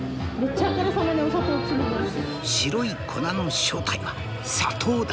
白い粉の正体は砂糖だった。